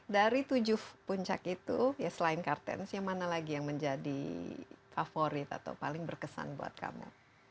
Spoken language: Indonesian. dari tujuh puncak itu ya selain kartens yang mana lagi yang menjadi favorit atau paling berkesan buat kamu